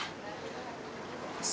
aku cuma gak mau bikin kamu marah